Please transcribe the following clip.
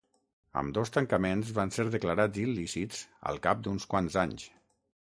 Ambdós tancaments van ser declarats il·lícits al cap d’uns quants anys.